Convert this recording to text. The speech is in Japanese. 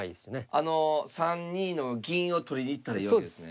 あの３二の銀を取りに行ったらいいわけですね。